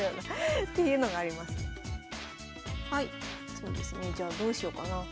そうですねじゃあどうしようかな。